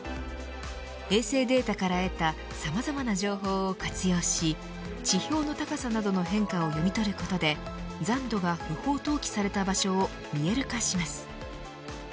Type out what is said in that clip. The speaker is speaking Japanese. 衛星データから得たさまざまな情報を活用し地表の高さなどの変化を読み取ることで残土が不法投棄された場所を見える化します。